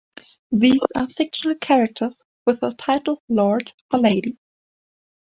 These are fictional characters with the title of "lord" or "lady".